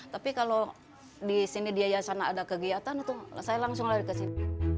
tapi kalau di sini di yayasan ada kegiatan itu saya langsung lari ke sini